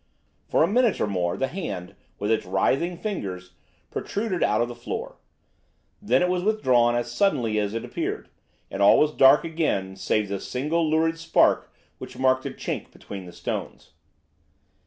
For a minute or more the hand, with its writhing fingers, protruded out of the floor. Then it was withdrawn as suddenly as it appeared, and all was dark again save the single lurid spark which marked a chink between the stones.